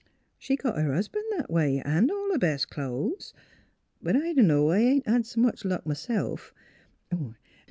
She got her husban' that a way 'n' all her best clo'es. But I don' know; I ain't had s' much luck, myself.